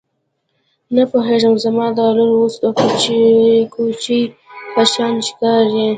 ته پوهېږې زما دا لور اوس د کوچۍ په شان ښکاري.